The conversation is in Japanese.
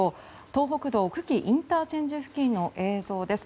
東北道久喜ＩＣ付近の映像です。